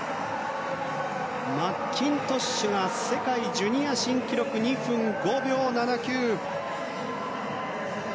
マッキントッシュが世界ジュニア新記録の２分５秒７９。